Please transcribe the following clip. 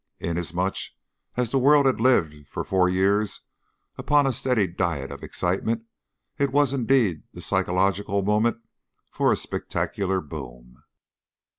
Inasmuch as the world had lived for four years upon a steady diet of excitement, it was indeed the psychological moment for a spectacular boom.